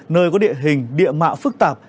nơi có địa hình địa mạ phức tạp